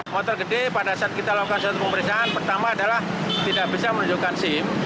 motor gede pada saat kita lakukan suatu pemeriksaan pertama adalah tidak bisa menunjukkan sim